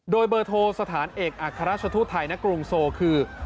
โดยเบอร์โทรสถานเอกอัครราชทูตไทยณกรุงโซคือ